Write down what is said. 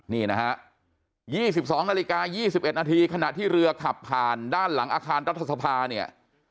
๒๒น๒๑นขณะที่เรือขับผ่านด้านหลังอาคารรัฐสภา